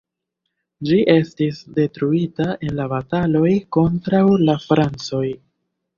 Ĝi estis detruita en la bataloj kontraŭ la francoj.